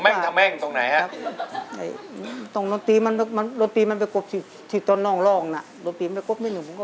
คิดว่านอกทำถูกคิดว่านอก